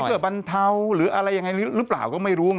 ให้เกิดบรรเทาหรืออะไรอย่างไรหรือเปล่าก็ไม่รู้